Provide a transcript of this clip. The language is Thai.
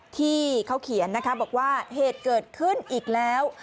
ที่เขาเขียนนะคะบอกว่าเหตุเกิดขึ้นอีกแล้ว